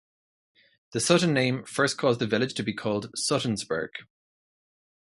The Sutton name first caused the village to be called Suttonsburg.